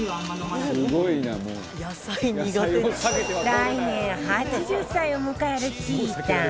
来年８０歳を迎えるちーたん。